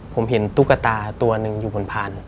ผมเห็นตุ๊กตาตัวหนึ่งอยู่บนพาน